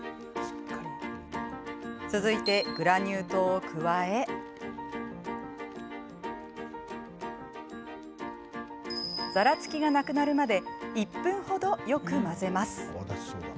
続いてグラニュー糖を加えざらつきがなくなるまで１分程よく混ぜます。